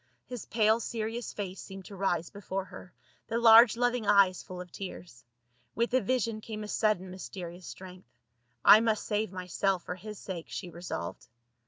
His pale seri ous face seemed to rise before her, the large loving eyes full of tears. With the vision came a sudden mysterious strength. I must save myself for his sake, she resolved.